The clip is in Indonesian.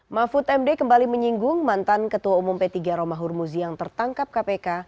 mahfud md kembali menyinggung mantan ketua umum p tiga romahur muzi yang tertangkap kpk